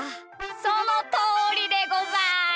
そのとおりでござる！